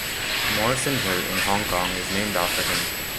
Morrison Hill in Hong Kong is named after him.